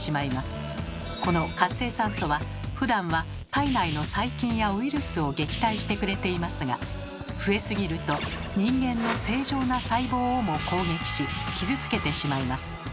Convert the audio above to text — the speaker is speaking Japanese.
この活性酸素はふだんは体内の細菌やウイルスを撃退してくれていますが増えすぎると人間の正常な細胞をも攻撃し傷つけてしまいます。